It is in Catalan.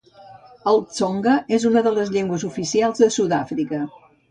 El tsonga és una de les llengües oficials de Sud-àfrica.